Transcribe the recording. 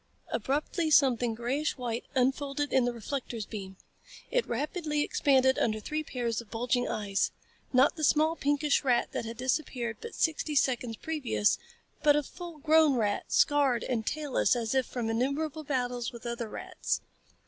Abruptly something grayish white unfolded in the reflector's beam. It rapidly expanded under three pairs of bulging eyes not the small, pinkish rat that had disappeared but sixty seconds previous, but a full grown rat, scarred and tailless as if from innumerable battles with other rats.